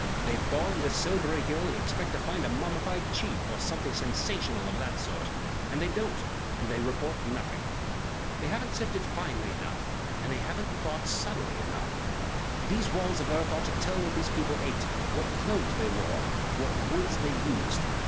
"They bore into Silbury Hill and expect to find a mummified chief or something sensational of that sort, and they don't, and they report nothing. They haven't sifted finely enough; they haven't thought subtly enough. These walls of earth ought to tell what these people ate, what clothes they wore, what woods they used.